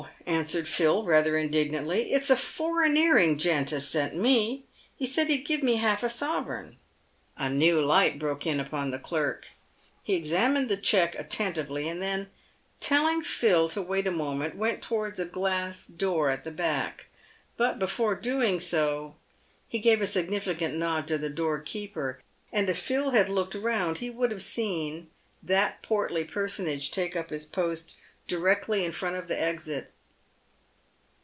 answered Phil, rather indignantly. " It's a foreigneering gent as sent me, and he said he'd give me half a sovereign." A new light broke in upon the clerk. He examined the cheque attentively, and then, telling Phil to wait a moment, went towards a glass door at the back ; but, before doing so, he gave a significant nod to the doorkeeper, and if Phil had looked round, he would have seen that portly personage take up his post directly in front of the exit.